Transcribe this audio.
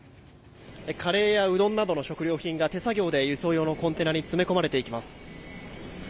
カレーやうどんなどの食料品が手作業で輸送用のコンテナに詰め込まれていきます。